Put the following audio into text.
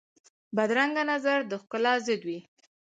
بدرنګه نظر د ښکلا ضد وي